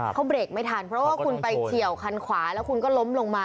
เขาเบรกไม่ทันเพราะว่าคุณไปเฉียวคันขวาแล้วคุณก็ล้มลงมา